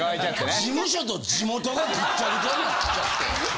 事務所と地元がぐっちゃぐちゃになっちゃって。